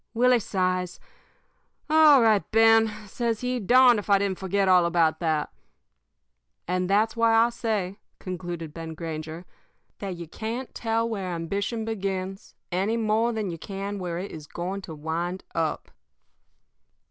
"Willie sighs. "'All right, Ben,' says he. 'Darned if I didn't forget all about that.' "And that's why I say," concluded Ben Granger, "that you can't tell where ambition begins any more than you can where it is going to wind up."